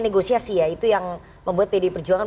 negosiasi ya itu yang membuat pdi perjuangan